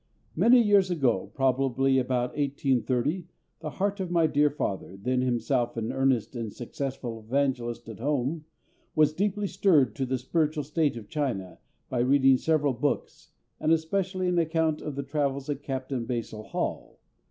Many years ago, probably about 1830, the heart of my dear father, then himself an earnest and successful evangelist at home, was deeply stirred as to the spiritual state of China by reading several books, and especially an account of the travels of Captain Basil Hall.